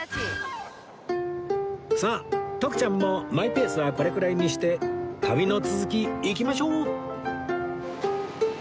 さあ徳ちゃんもマイペースはこれくらいにして旅の続きいきましょう